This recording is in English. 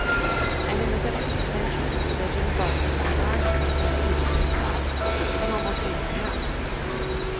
And in the seventeenth century religion bulked more largely in an Englishman's thoughts than almost anything else.